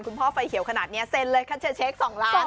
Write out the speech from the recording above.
คุณพ่อไฟเขียวขนาดนี้เซ็นเลยคัชเช็ค๒ล้าน